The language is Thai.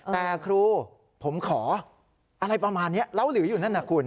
แต่ครูผมขออะไรประมาณนี้แล้วหรืออยู่นั่นนะคุณ